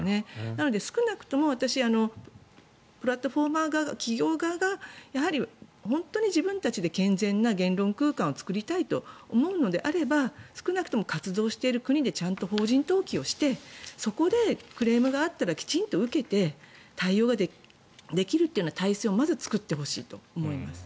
なので少なくとも、私プラットフォーマー側、企業側がやはり、本当に自分たちで健全な言論空間を作りたいと思うのであれば少なくとも活動している国でちゃんと法人登記をしてそこでクレームがあったらきちんと受けて対応ができるというような体制をまず作ってほしいと思います。